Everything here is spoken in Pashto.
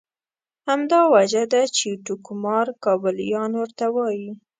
همدا وجه ده چې ټوکمار کابلیان ورته وایي.